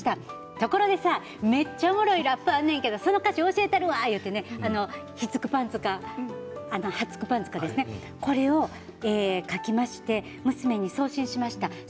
ところでめっちゃおもろいラップがあるんけどその歌詞、教えたるわとひっつくパンツかはっつくパンツかこれを書きまして娘に送信しました。